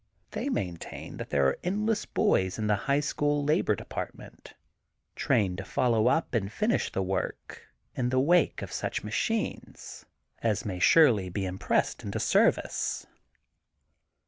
They maintain that there are endless boys in the High School Labor Department trained to follow up and finish the work in the wake of such machines as may surely be impressed into service.